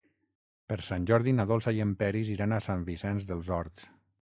Per Sant Jordi na Dolça i en Peris iran a Sant Vicenç dels Horts.